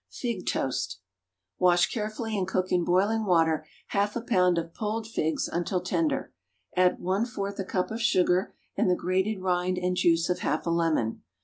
=Fig Toast.= (See cut facing page 198.) Wash carefully and cook in boiling water half a pound of pulled figs until tender; add one fourth a cup of sugar and the grated rind and juice of half a lemon.